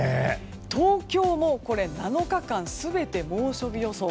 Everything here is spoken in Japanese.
東京も７日間全て猛暑日予想。